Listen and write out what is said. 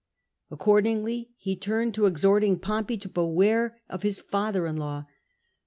Accordingly he turned to exhorting Pompey to beware of his father in law.